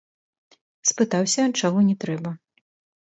Спытаўся, чаго не трэба.